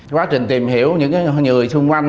quá trình tìm hiểu những người xung quanh